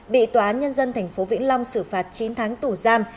bị tòa án nhân dân thành phố vĩnh long xử phạt chín tháng tủ giam